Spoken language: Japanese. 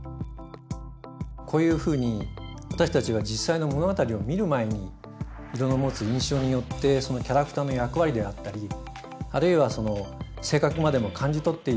こういうふうに私たちは実際の物語を見る前に色の持つ印象によってそのキャラクターの役割であったりあるいはその性格までも感じ取っているんです。